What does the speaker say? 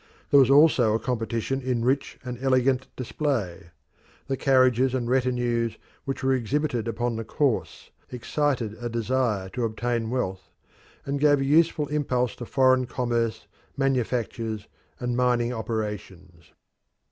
There was also a competition in rich and elegant display. The carriages and retinues which were exhibited upon the course excited a desire to obtain wealth, and gave a useful impulse to foreign commerce, manufactures, and mining operations.